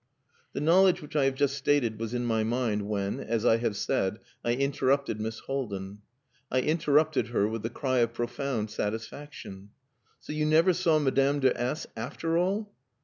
The knowledge which I have just stated was in my mind when, as I have said, I interrupted Miss Haldin. I interrupted her with the cry of profound satisfaction "So you never saw Madame de S , after all?"